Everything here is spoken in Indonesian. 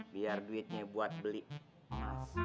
biar duitnya buat beli emas